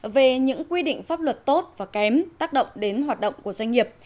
về những quy định pháp luật tốt và kém tác động đến hoạt động của doanh nghiệp